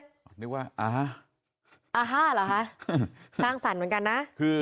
อาฮ่าอาฮ่าหรอคะสร้างสรรค์เหมือนกันนะ